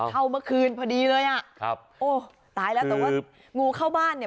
เมื่อคืนพอดีเลยอ่ะครับโอ้ตายแล้วแต่ว่างูเข้าบ้านเนี่ย